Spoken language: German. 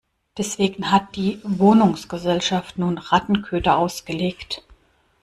Deswegen hat die Wohnungsgesellschaft nun Rattenköder ausgelegt.